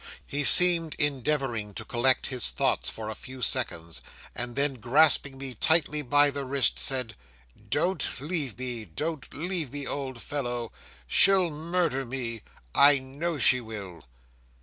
He seemed endeavouring to collect his thoughts for a few seconds, and then grasping me tightly by the wrist said, "Don't leave me don't leave me, old fellow. She'll murder me; I know she will."